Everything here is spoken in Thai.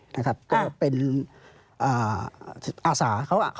นะครับก็เป็นอาสาเขา